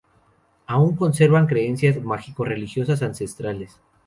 Aún conservan creencias mágico-religiosas ancestrales.